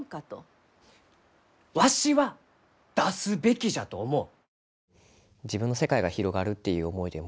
わしは出すべきじゃと思う。